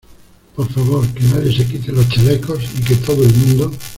por favor, que nadie se quite los chalecos y que todo el mundo